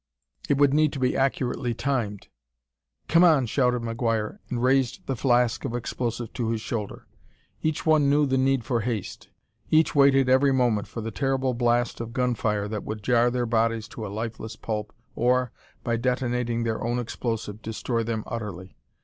It would need to be accurately timed." "Come on!" shouted McGuire, and raised the flask of explosive to his shoulder. Each one knew the need for haste; each waited every moment for the terrible blast of gun fire that would jar their bodies to a lifeless pulp or, by detonating their own explosive, destroy them utterly.